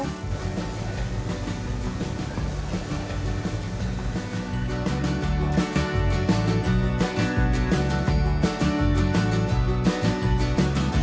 tinggal tunggu matang